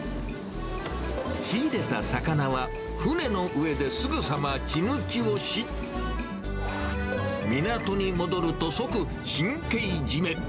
仕入れた魚は、船の上ですぐさま血抜きをし、港に戻ると、即神経締め。